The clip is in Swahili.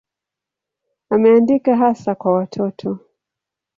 Ameandika hasa kwa watoto.